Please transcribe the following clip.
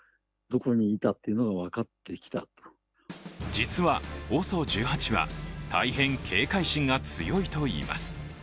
実はＯＳＯ１８は大変警戒心が強いといいます。